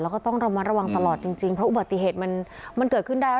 แล้วก็ต้องระมัดระวังตลอดจริงเพราะอุบัติเหตุมันเกิดขึ้นได้